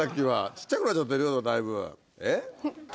小っちゃくなっちゃってるよねだいぶ。